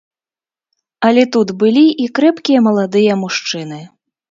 Але тут былі і крэпкія маладыя мужчыны.